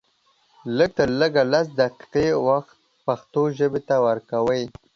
لږ تر لږه لس دقيقې وخت پښتو ژبې ته ورکوئ